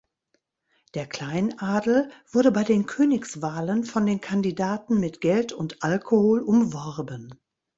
Der Kleinadel wurde bei den Königswahlen von den Kandidaten mit Geld und Alkohol umworben.